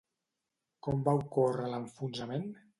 Com va ocórrer l'enfonsament?